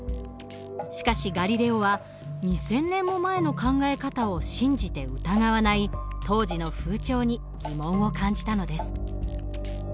しかしガリレオは２，０００年も前の考え方を信じて疑わない当時の風潮に疑問を感じたのです。